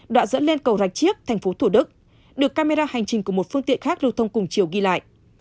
đoạn dẫn lên cầu rạch chiếc thành phố thủ đức được camera hành trình của một phương tiện khác lưu thông cùng chiều ghi lại